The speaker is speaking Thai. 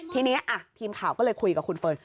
ทีนี้ทีมข่าวก็เลยคุยกับคุณเฟิร์น